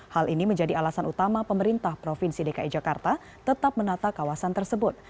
hal ini menjadi alasan utama pemerintah provinsi dki jakarta tetap menata kawasan tersebut